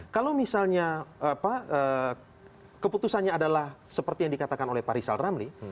kalau misalnya keputusannya adalah seperti yang dikatakan oleh pak rizal ramli